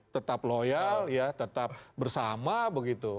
tetap loyal ya tetap bersama begitu